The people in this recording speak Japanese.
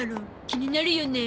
気になるよね。